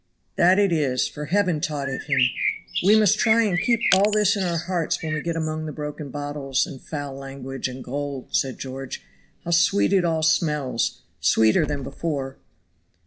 "That it is, for Heaven taught it him. We must try and keep all this in our hearts when we get among the broken bottles, and foul language, and gold," says George. "How sweet it all smells, sweeter than before."